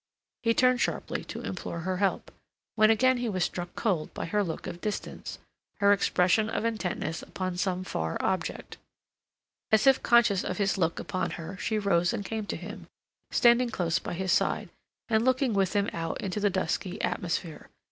He turned sharply to implore her help, when again he was struck cold by her look of distance, her expression of intentness upon some far object. As if conscious of his look upon her she rose and came to him, standing close by his side, and looking with him out into the dusky atmosphere.